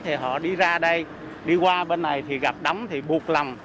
thì họ đi ra đây đi qua bên này thì gặp đóng thì buộc lòng